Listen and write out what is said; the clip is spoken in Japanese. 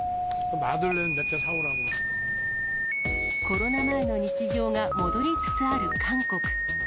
コロナ前の日常が戻りつつある韓国。